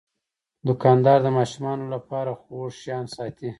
دوکاندار د ماشومانو لپاره خوږ شیان ساتي.